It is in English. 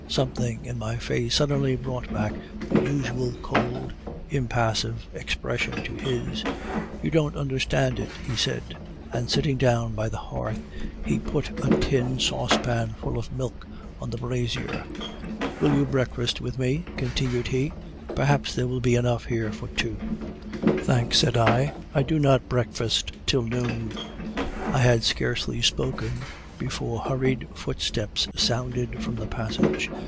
"Something in my face suddenly brought back the usual cold, impassive expression to his. "'You don't understand it,' he said, and sitting down by the hearth, he put a tin saucepan full of milk on the brazier. 'Will you breakfast with me?' continued he. 'Perhaps there will be enough here for two.' "'Thanks,' said I, 'I do not breakfast till noon.' "I had scarcely spoken before hurried footsteps sounded from the passage.